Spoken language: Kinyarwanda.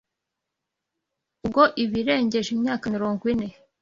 ubwo iba irengeje imyaka mirongo ine